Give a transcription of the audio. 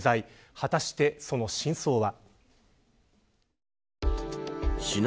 果たして、その真相は。